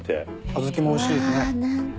小豆もおいしいですね。